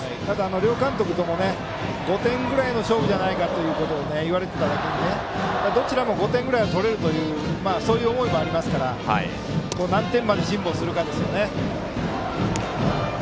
両監督とも５点ぐらいの勝負じゃないかと言われていただけに、どちらも５点ぐらいは取れるというそういう思いもありますから何点まで辛抱するかですね。